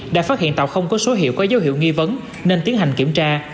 đã phát hiện tàu không có số hiệu có dấu hiệu nghi vấn nên tiến hành kiểm tra